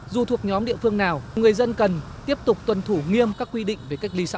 dù thuộc nhóm địa phương nào người dân cần tiếp tục tuân thủ nghiêm các quy định về cách ly xã hội